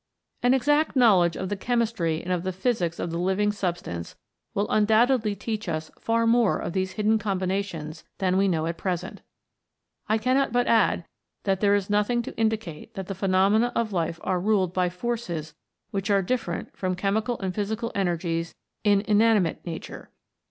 An exact knowledge of the chemistry and of the physics of the living substance will un doubtedly teach us far more of these hidden combinations than we know at present. I cannot but add that there is nothing to indicate that the phenomena of life are ruled by forces which are different from chemical and physical energies in inanimate Nature.